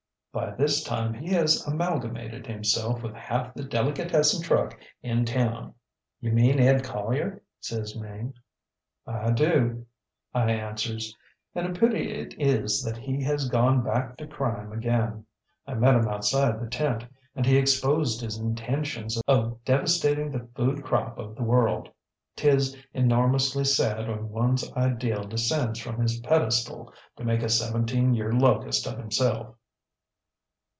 By this time he has amalgamated himself with half the delicatessen truck in town. ŌĆÖ ŌĆ£ŌĆśYou mean Ed Collier? ŌĆÖ says Mame. ŌĆ£ŌĆśI do, ŌĆÖ I answers; ŌĆśand a pity it is that he has gone back to crime again. I met him outside the tent, and he exposed his intentions of devastating the food crop of the world. ŌĆÖTis enormously sad when oneŌĆÖs ideal descends from his pedestal to make a seventeen year locust of himself.